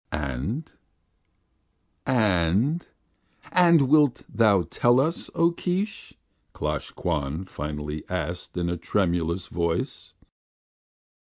"And ... and ... and wilt thou tell us, O Keesh?" Klosh Kwan finally asked in a tremulous voice.